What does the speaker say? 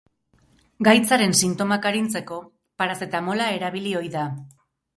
Gaitzaren sintomak arintzeko parazetamola erabili ohi da.